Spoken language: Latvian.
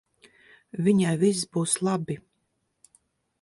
Viņai viss būs labi.